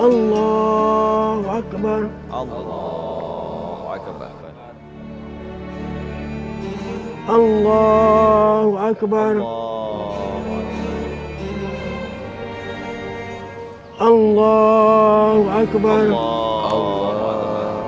allahu akbar allahu akbar allahu akbar allahu akbar